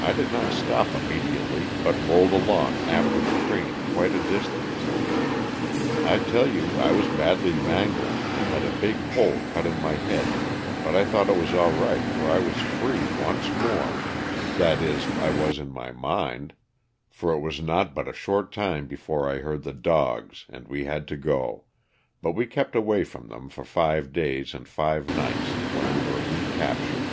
I did not stop immediately but rolled along after the train quite a distance. I tell you I was badly mangled and had a big hole cut in my head, but I thought it was all right for I was free once more — that is, I was in my mind, for it was not but a short time before I heard the dogs and we had to go, but we kept away from them for five days and five nights when we were recaptured.